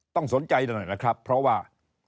ต้องสนใจหน่อยนะครับเพราะว่า